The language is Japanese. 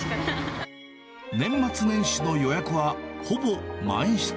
年末年始の予約はほぼ満室。